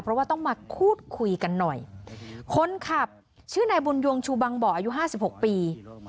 เพราะว่าต้องมาพูดคุยกันหน่อยคนขับชื่อนายบุญยงชูบังบ่ออายุห้าสิบหกปี